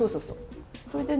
そうそう。